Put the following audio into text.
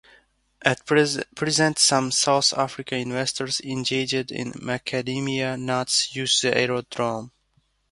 At present some South African investors engaged in Macademia nuts use the aerodrome.